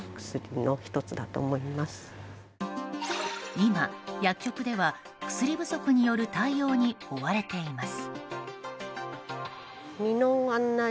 今、薬局では薬不足による対応に追われています。